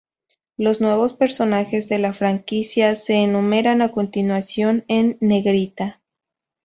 Los nuevos personajes de la franquicia se enumeran a continuación en negrita.